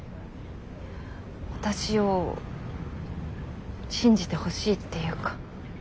私を信じてほしいっていうか。